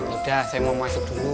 udah saya mau masuk dulu